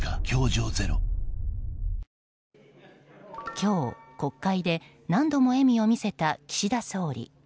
今日、国会で何度も笑みを見せた岸田総理。